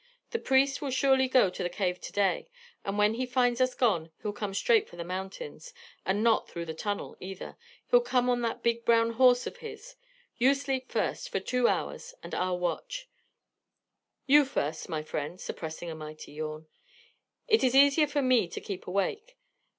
That priest will surely go to the cave to day, and when he finds us gone he'll come straight for the mountains; and not through the tunnel either; he'll come on that big brown horse of his. You sleep first, for two hours, and I'll watch " "You first, my friend " Suppressing a mighty yawn. "It is easier for me to keep awake.